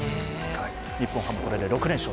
日本ハムはこれで６連勝。